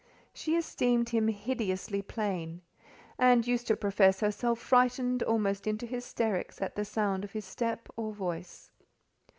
She esteemed him hideously plain, and used to profess herself frightened almost into hysterics at the sound of his step or voice.